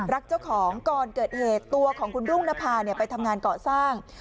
รักเจ้าของก่อนเกิดเหตุตัวของคุณรุ่งนภาไปทำงานก่อสร้าง